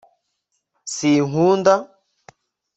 s sinkunda